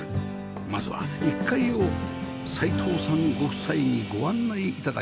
まずは１階を齋藤さんご夫妻にご案内頂きます